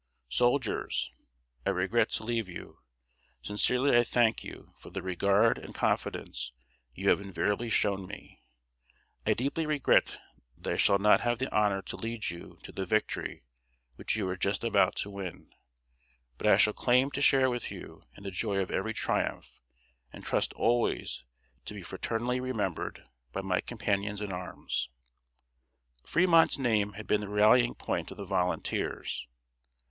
] Soldiers! I regret to leave you. Sincerely I thank you for the regard and confidence you have invariably shown me. I deeply regret that I shall not have the honor to lead you to the victory which you are just about to win, but I shall claim to share with you in the joy of every triumph, and trust always to be fraternally remembered by my companions in arms. Fremont's name had been the rallying point of the volunteers.